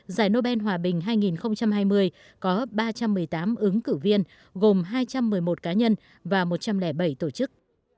giải nobel hòa bình hai nghìn hai mươi có ba trăm một mươi tám ứng cử viên gồm hai trăm một mươi một cá nhân và một trăm linh bảy tổ chức